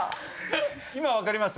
今分かります？